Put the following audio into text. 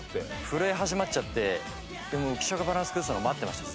震え始まっちゃってでも浮所がバランス崩すのを待ってました